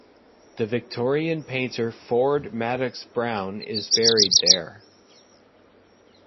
The Victorian painter Ford Madox Brown is buried there.